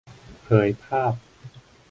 เผยภาพ